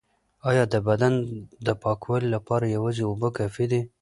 ایا د بدن د پاکوالي لپاره یوازې اوبه کافی دي؟